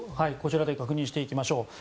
こちらで確認していきましょう。